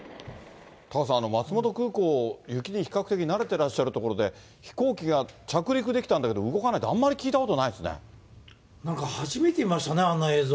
タカさん、松本空港、雪に比較的慣れてらっしゃる所で、飛行機が着陸できたんだけど、動かないって、あんまり聞いたことないなんか初めて見ましたね、あんな映像。